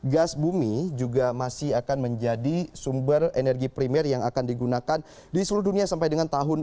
gas bumi juga masih akan menjadi sumber energi primer yang akan digunakan di seluruh dunia sampai dengan tahun dua ribu dua puluh